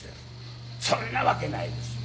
そんなわけないですよ。